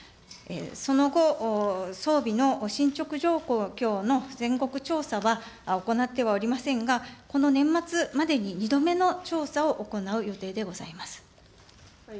その後、装備の進捗状況の全国調査は行ってはおりませんが、この年末までに２度目の調査を行う予定でございます。